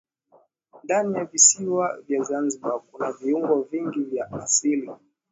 Ndani ya visiwa vya zanzibar kuna viungo vingi vya asili